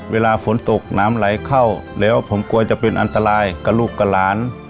เวลาฝนตกน้ำไหลเข้าแล้วผมกลัวจะเป็นอันตรายกับลูกกับหลาน